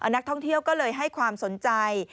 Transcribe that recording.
นักท่องเที่ยวก็เลยให้ความสนใจ